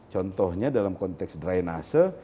contohnya dalam konteks dry nasa